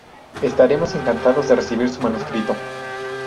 Estaremos encantados de recibir su manuscrito.